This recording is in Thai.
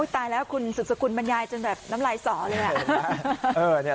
ตายแล้วคุณสุสกุลบรรยายจนแบบน้ำไรส่อเลยนะฮะ